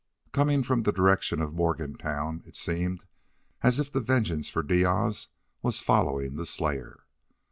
Coming from the direction of Morgantown, it seemed as if the vengeance for Diaz was following the slayer.